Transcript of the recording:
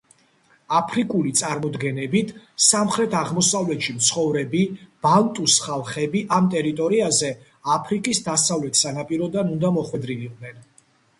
აფრიკული წარმოდგენებით სამხრეთ-აღმოსავლეთში მცხოვრები ბანტუს ხალხები ამ ტერიტორიაზე აფრიკის დასავლეთ სანაპიროდან უნდა მოხვედრილიყვნენ.